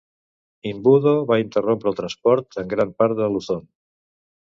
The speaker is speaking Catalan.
Imbudo va interrompre el transport en gran part de Luzon.